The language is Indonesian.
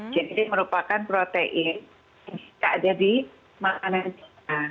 jadi merupakan protein yang ada di makanan kita